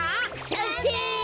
さんせい！